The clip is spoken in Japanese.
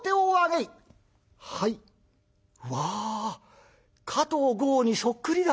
うわ加藤剛にそっくりだ！」。